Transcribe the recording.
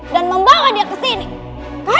dan membawa dia ke sini ke hadapanmu